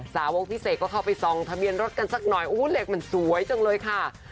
สาวกพี่เสกก็เข้าไปส่องทะเบียนรถกันสักหน่อยเหล็กมันสวยจังเลยค่ะ